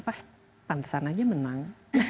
pasti pantesan saja menang